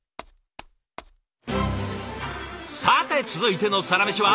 さて続いてのサラメシは？